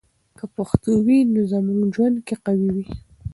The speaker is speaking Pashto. که پښتو وي، نو زموږ ژوند کې قوی وي.